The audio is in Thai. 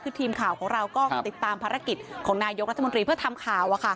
คือทีมข่าวของเราก็ติดตามภารกิจของนายกรัฐมนตรีเพื่อทำข่าว